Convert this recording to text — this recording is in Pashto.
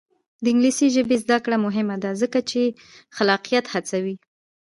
د انګلیسي ژبې زده کړه مهمه ده ځکه چې خلاقیت هڅوي.